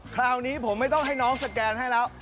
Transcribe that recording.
คราวนี้ผมไม่ต้องให้น้องสแกนให้แล้ว